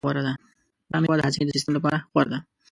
دا مېوه د هاضمې د سیستم لپاره غوره ده.